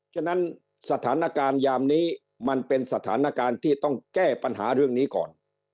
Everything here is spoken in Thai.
ฉะนั้นสถานการณ์ยามนี้มันเป็นสถานการณ์ที่ต้องแก้ปัญหาเรื่องนี้ก่อน